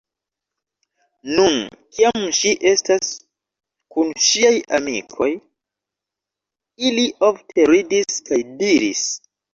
Nun, kiam ŝi estas kun ŝiaj amikoj, ili ofte ridis kaj diris: